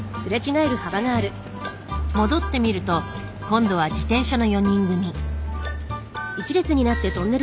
戻ってみると今度は自転車の４人組。